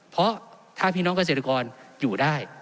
เพราะถ้าพี่น้องเกษตรกรอยู่ได้